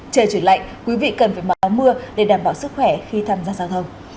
trời chuyển lạnh quý vị cần phải báo mưa để đảm bảo sức khỏe khi tham gia giao thông